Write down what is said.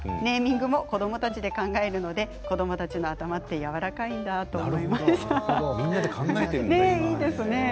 ネーミングも子どもたちで考えるので子どもたちの頭ってやわらかいんだと思いました。